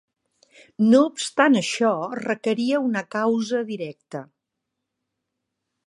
No obstant això, requeria una causa directa.